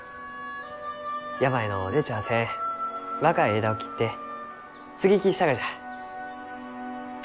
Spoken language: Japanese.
病の出ちゃあせん若い枝を切って接ぎ木したがじゃ。